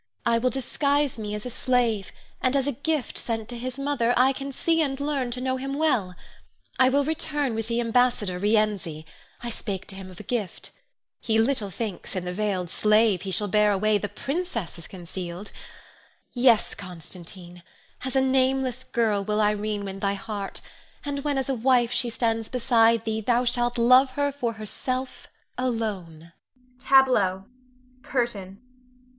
I will disguise me as a slave, and as a gift sent to his mother, I can see and learn to know him well. I will return with the ambassador, Rienzi. I spake to him of a gift. He little thinks in the veiled slave he shall bear away, the princess is concealed. Yes, Constantine, as a nameless girl will Irene win thy heart; and when as a wife she stands beside thee, thou shalt love her for herself alone. [Tableau. CURTAIN.